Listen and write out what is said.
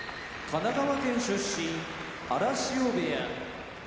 神奈川県出身荒汐部屋